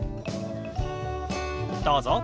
どうぞ。